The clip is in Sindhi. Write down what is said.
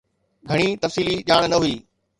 گهڻي تفصيلي ڄاڻ نه هئي.